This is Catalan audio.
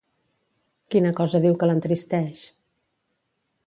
Quina cosa diu que l'entristeix?